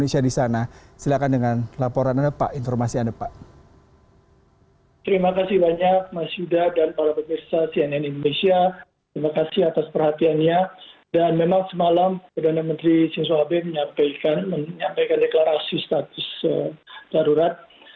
menyampaikan deklarasi status darurat